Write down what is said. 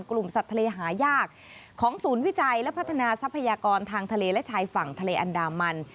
กลุ่มสัตว์ทะเลหายากของศูนย์วิจัยและพัฒนาทรัพยากรทางทะเลและชายฝั่งทะเลอันดามัน